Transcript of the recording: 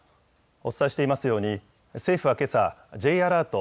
お伝えしていますように、政府はけさ、Ｊアラート